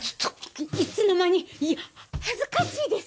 いつの間に恥ずかしいです。